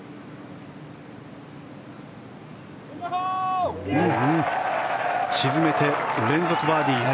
これを沈めて、連続バーディー。